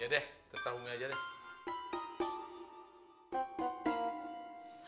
ya deh terserah umi aja deh